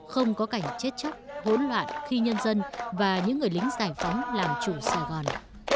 không có cảnh chết chắc hỗn loạn khi nhân dân và những người lính giải phóng làm chủ sài gòn